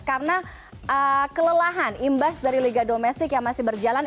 karena kelelahan imbas dari liga domestik yang masih berjalan